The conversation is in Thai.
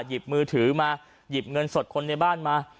หยิบมือถือมาหยิบเงินสดคนในบ้านมา